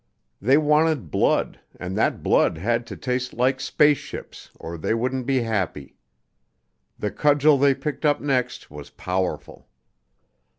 They wanted blood and that blood had to taste like spaceships or they wouldn't be happy. The cudgel they picked up next was powerful.